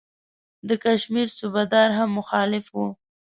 د کشمیر صوبه دار هم مخالف وو.